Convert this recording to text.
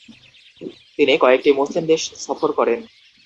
তিনি কয়েকটি মুসলিম দেশ সফর করেন।